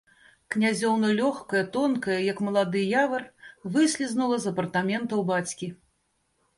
Князёўна, лёгкая, тонкая, як малады явар, выслізнула з апартаментаў бацькі.